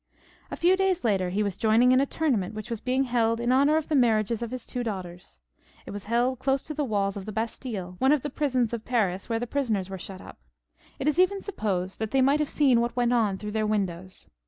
A few days later he was joining in a tournament which was being held in honour of the marriages of his two daughters. It was held close to the walls of the BastiUe, one of the prisons of Paris where these prisoners were shut up. It is even supposed that they might have seen what went on through their windows.